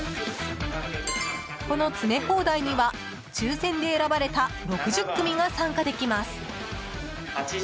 この詰め放題には抽選で選ばれた６０組が参加できます。